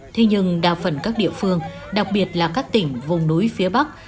thế nhưng đa phần các địa phương đặc biệt là các tỉnh vùng núi phía bắc